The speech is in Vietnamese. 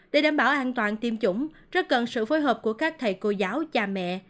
để đảm bảo an toàn tiêm chủng rất cần sự phối hợp của các thầy cô giáo cha mẹ